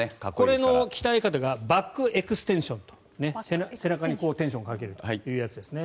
これの鍛え方がバックエクステンション背中にテンションをかけるやつですね。